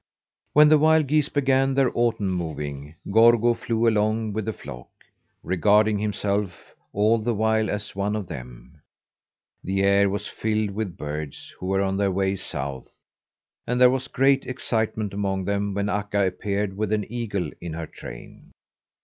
When the wild geese began their autumn moving, Gorgo flew along with the flock, regarding himself all the while as one of them. The air was filled with birds who were on their way south, and there was great excitement among them when Akka appeared with an eagle in her train.